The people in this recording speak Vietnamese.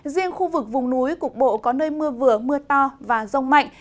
riêng khu vực vùng núi cục bộ có nơi mưa vừa mưa to và rông mạnh